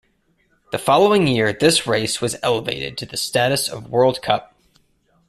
The following year this race was elevated to the status of World Cup.